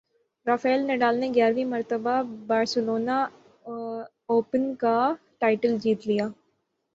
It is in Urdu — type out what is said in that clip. رافیل نڈال نے گیارہویں مرتبہ بارسلونا اوپن کا ٹائٹل جیت لیا